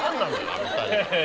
あの２人は。